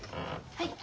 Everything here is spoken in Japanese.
はい。